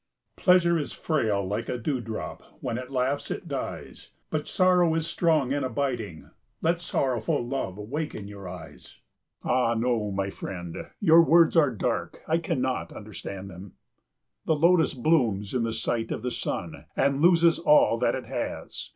"Pleasure is frail like a dewdrop, while it laughs it dies. But sorrow is strong and abiding. Let sorrowful love wake in your eyes." "Ah no, my friend, your words are dark, I cannot understand them." "The lotus blooms in the sight of the sun, and loses all that it has.